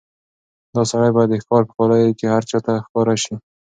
دا سړی باید د ښکار په کالیو کې هر چا ته ښکاره شي.